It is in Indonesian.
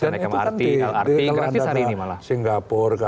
dan itu kan di kota singapura